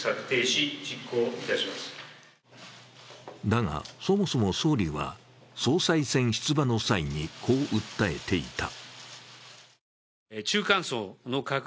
だが、そもそも総理は、総裁選出馬の際にこう訴えていた。